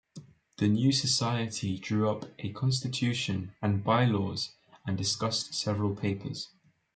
The new society drew up a constitution and by-laws and discussed several papers.